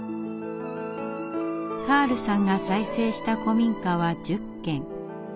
カールさんが再生した古民家は１０軒。